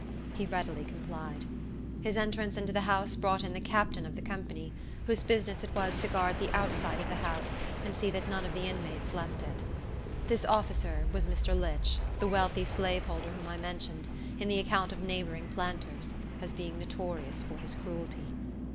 He readily complied. His entrance into the house brought in the captain of the company, whose business it was to guard the outside of the house, and see that none of the inmates left it. This officer was Mr. Litch, the wealthy slaveholder whom I mentioned, in the account of neighboring planters, as being notorious for his cruelty.